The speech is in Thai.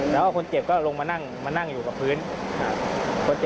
แล้วคนเจ็บก็ลงมานั่งอยู่กับพื้น